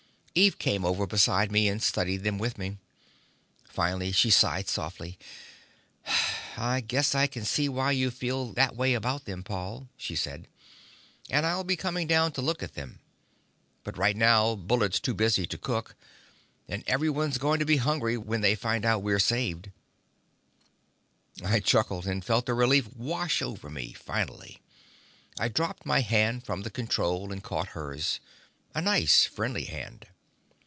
Eve came over beside me, and studied them with me. Finally she sighed softly. "I guess I can see why you feel that way about them, Paul," she said. "And I'll be coming down to look at them. But right now, Bullard's too busy to cook, and everyone's going to be hungry when they find we're saved." I chuckled, and felt the relief wash over me finally. I dropped my hand from the control and caught hers a nice, friendly hand.